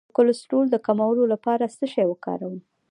د کولیسټرول د کمولو لپاره څه شی وکاروم؟